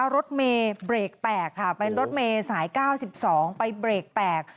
รถเมย์เบรกแตกค่ะเป็นรถเมย์สาย๙๒ไปเบรกแตก